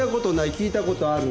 聞いたことある？